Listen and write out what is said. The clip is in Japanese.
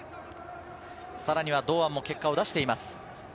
さらには堂安も結果を出しています。